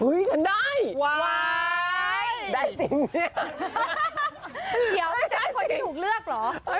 เป็นคนที่ถูกเลือกหรอ